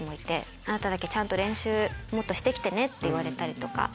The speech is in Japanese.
「あなただけ練習もっとしてね」って言われたりとか。